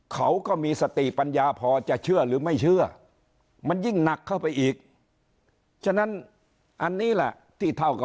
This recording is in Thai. เขาก็มีสติปัญญาพอจะเชื่อหรือไม่เชื่อมันยิ่งหนักเข้าไปอีก